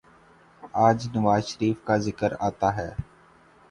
آج نواز شریف کا ذکر آتا ہے۔